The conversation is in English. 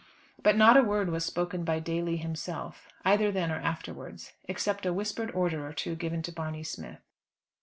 But not a word was spoken by Daly himself, either then or afterwards, except a whispered order or two given to Barney Smith.